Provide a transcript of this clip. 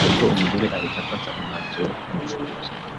ubwo umugore ahita afata umwanzuro wo kuncuruza